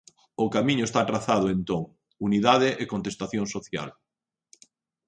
O camiño está trazado entón: unidade e contestación social.